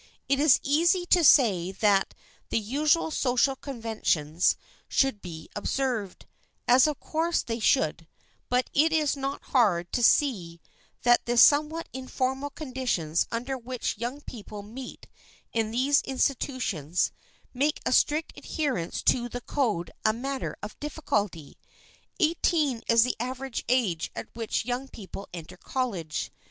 It is easy to say that the usual social conventions should be observed, as of course they should; but it is not hard to see that the somewhat informal conditions under which young people meet in these institutions, make a strict adherence to the code a matter of difficulty. Eighteen is the average age at which young people enter college.